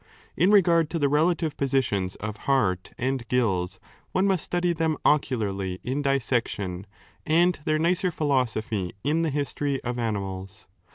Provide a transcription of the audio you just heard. In regard to the relative positions of heart and gills, one must study them ocularly in dissection and their nicer philosophy in 478^ the History of Animals.